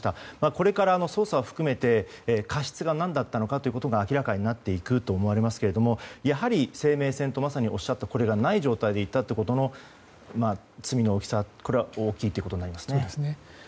これから捜査を含めて過失が何だったのかということが明らかになっていくと思われますがやはり、生命線とまさにおっしゃったこれがない状態で行ったということの罪の大きさ、これは大きいということになりますね。